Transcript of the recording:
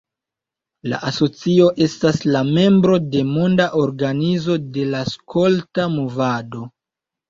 La asocio estas la membro de Monda Organizo de la Skolta Movado.